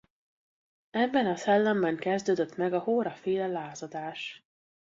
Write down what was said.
Ebben a szellemben kezdődött meg a Hóra-féle lázadás.